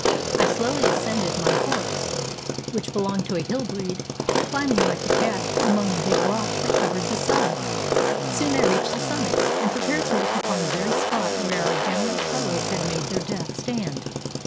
I slowly ascended; my horse, which belonged to a hill breed, climbing Hke a cat among the big rocks that covered the side. Soon I reached the summit, and prepared to look upon the very spot where our gallant fellows had made their death stand.